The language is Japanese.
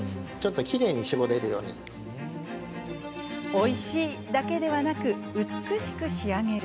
おいしいだけではなく美しく仕上げる。